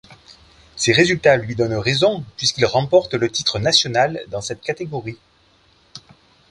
Ses résultats lui donnent raison puisqu’il remporte le titre national dans cette catégorie.